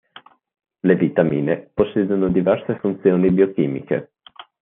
Le vitamine possiedono diverse funzioni biochimiche.